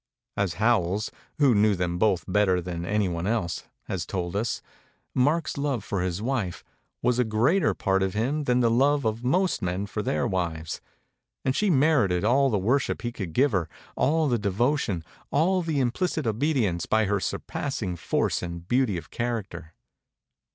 As Howells who knew the in both better than any Ise has told us, Mark's love for his wife a greater part of him than the love of most men for their wives and she merited all 263 MEMORIES OF MARK TWAIN the worship he could give her, all the devotion, all the implicit obedience by her surpassing force and beauty of character."